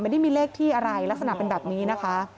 ไม่ได้มีเลขที่อะไรลักษณะเป็นแบบนี้นะคะ